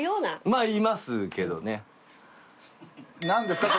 まあいますけどね。